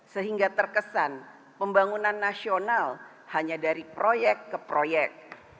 sehingga terkesan pembangunan nasional hanya dari proyek ke proyek